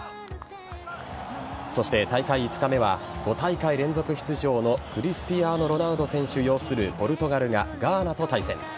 そして大会５日目は５大会連続出場のクリスティアーノ・ロナウド選手擁するポルトガルがガーナと対戦。